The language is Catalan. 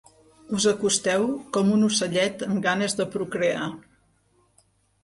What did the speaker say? Us acosteu com un ocellet amb ganes de procrear.